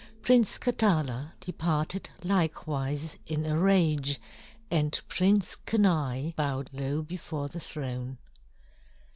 Prince Katala departed likewise in a rage, and Prince Kenai bowed low before the throne.